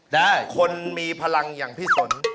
ได้คุณมีพลังอย่างพี่สน